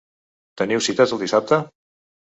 Teniu cites el dissabte?